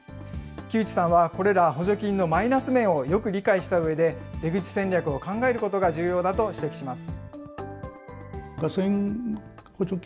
木内さんはこれら補助金のマイナス面をよく理解したうえで、出口戦略を考えることが重要だと指摘します。